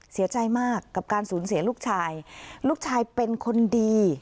เสียใจมากกับการสูญเสียลูกชายลูกชายเป็นคนดี